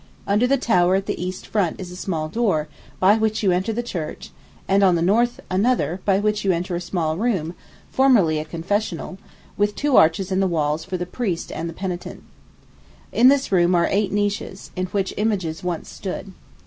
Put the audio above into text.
Under the tower at the east front is a small door, by which you enter the church, and on the north another, by which you enter a small room, formerly a confessional, with two arches in the walls for the priest and the penitent. In this room are eight niches, in which images once stood.